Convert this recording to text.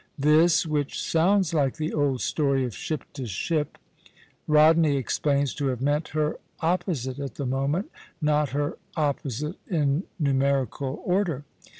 This, which sounds like the old story of ship to ship, Rodney explains to have meant her opposite at the moment, not her opposite in numerical order.